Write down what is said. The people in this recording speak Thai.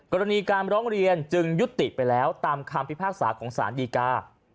กรณีการร้องเรียนจึงยุติไปแล้วตามคำพิพากษาของสารดีกา